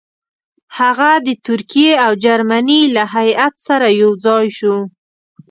هغه د ترکیې او جرمني له هیات سره یو ځای شو.